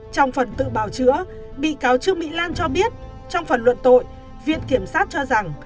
trong phần tự bào chữa bị cáo trương mỹ lan cho biết trong phần luận tội viện kiểm sát cho rằng